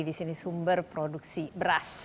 di sini sumber produksi beras